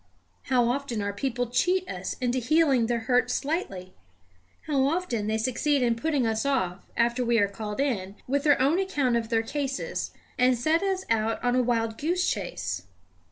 How often our people cheat us into healing their hurt slightly! How often they succeed in putting us off, after we are called in, with their own account of their cases, and set us out on a wild goose chase!